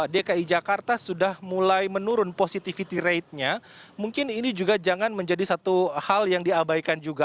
dki jakarta sudah mulai menurun positivity ratenya mungkin ini juga jangan menjadi satu hal yang diabaikan juga